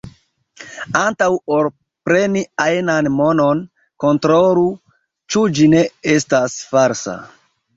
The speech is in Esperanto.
Antaŭ ol preni ajnan monon, kontrolu, ĉu ĝi ne estas falsa.